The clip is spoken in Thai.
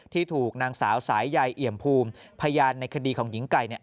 ที่ถูกนางสาวสายยัยเอียมพูมพยานในคดีของหญิงไก่